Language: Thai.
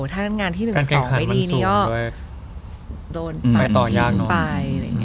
ถ้างานที่หนึ่งหรือสองไม่ดีนี่ยอดโดนตัดทิ้งไป